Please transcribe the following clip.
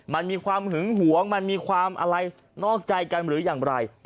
มันมีความหึงหวงมันมีความอะไรนอกใจกันหรืออย่างไร